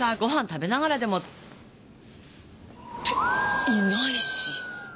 食べながらでも。っていないし。